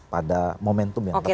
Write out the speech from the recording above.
pada momentum yang terakhir